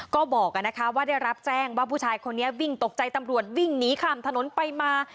ก็บอกว่าได้รับแจ้งว่าผู้ชายคนนี้วิ่งตกใจตำรวจวิ่งหนีข้ามถนนไปมา